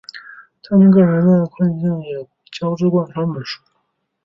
他们个人的困境也交织贯穿本书。